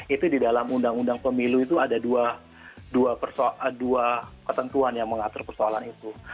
itu di dalam undang undang pemilu itu ada dua ketentuan yang mengatur persoalan itu